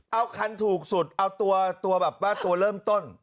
เอาคันถูกสุดเอาตัวแบบว่าตัวเริ่มต้น